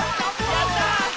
やった！